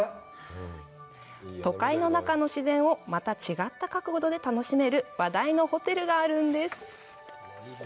都会の中の自然をまた違った角度で楽しめる話題のホテルがあるんです。